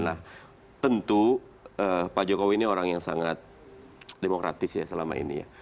nah tentu pak jokowi ini orang yang sangat demokratis ya selama ini ya